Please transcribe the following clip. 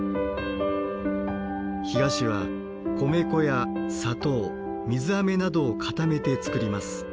干菓子は米粉や砂糖水あめなどを固めて作ります。